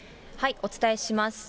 お伝えします。